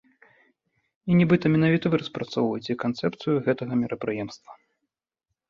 І нібыта менавіта вы распрацоўваеце канцэпцыю гэтага мерапрыемства.